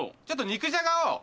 ちょっと肉じゃがを。